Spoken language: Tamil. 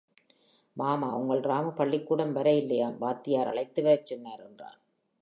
மாமா, உங்கள் ராமு பள்ளிக்கூடம் வர வில்லையாம் வாத்தியார் அழைத்து வரச் சொன்னார் என்றான்.